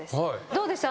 どうでした？